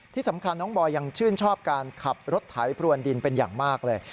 ที่สำคัญน้องบอยยังชื่นชอบการขับรถไถพรวนดินเป็นอย่างมากเลย